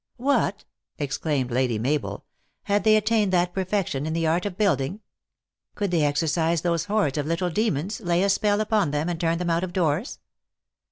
"What!" exclaimed Lady Mabel, "had they at tained that perfection in the art of building? Could they exercise those hordes of little demons, lay a spell upon them and turn them out of doors?